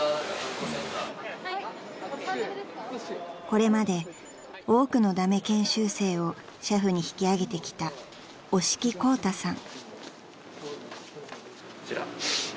［これまで多くの駄目研修生を俥夫に引き上げてきた押木宏太さん］